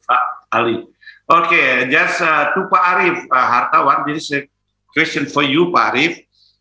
oke kemudian ke pak arief hartawan ini adalah pertanyaan untuk pak arief